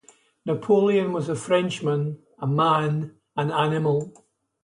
Napoleon was a Frenchman, a man, an animal.